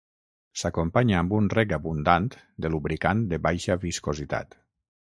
S'acompanya amb un reg abundant de lubricant de baixa viscositat.